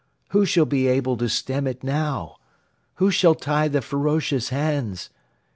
Who shall be able to stem it now? Who shall tie the ferocious hands?